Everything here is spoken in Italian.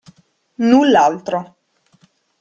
Null'altro.